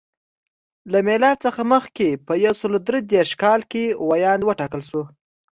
له میلاد څخه مخکې په یو سل درې دېرش کال کې ویاند وټاکل شو.